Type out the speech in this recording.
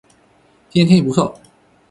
今天天气不错